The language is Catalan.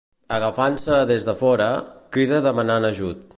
Agafant-se des de fora, crida demanant ajut.